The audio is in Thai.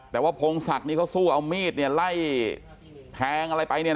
แต่ว่าพงศักดิ์นี่เขาสู้เอามีดไล่แทงอะไรไป